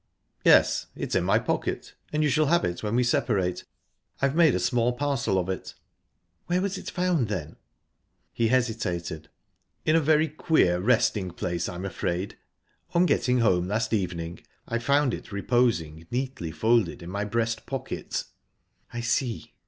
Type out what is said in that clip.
"Yes; it's in my pocket, and you shall have it when we separate. I've made a small parcel of it." "Where was it found, then?" He hesitated. "In a very queer resting place, I'm afraid. On getting home last evening I found it reposing neatly folded in my breast pocket." "I see."